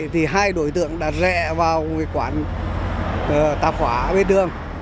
thì hai đối tượng đã rẽ vào quán tạp khóa bên đường